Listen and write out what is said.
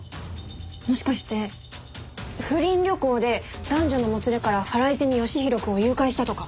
もしかして不倫旅行で男女のもつれから腹いせに吉宏くんを誘拐したとか？